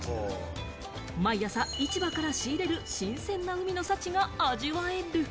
毎朝、市場から仕入れる新鮮な海の幸が味わえる。